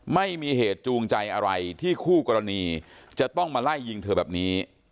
ไม่มีเหตุจูงใจอะไรที่คู่กรณีจะต้องมาไล่ยิงเธอแบบนี้